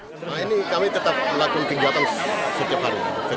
nah ini kami tetap melakukan kegiatan setiap hari